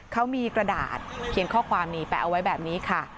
เขามีกระดาษเขียนข้อความนี้แปะเอาไว้แบบนี้ค่ะ